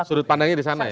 sudut pandangnya disana ya